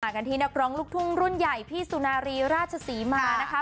กันที่นักร้องลูกทุ่งรุ่นใหญ่พี่สุนารีราชศรีมานะคะ